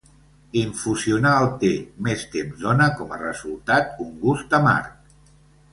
Infusionar el te més temps dóna com a resultat un gust amarg.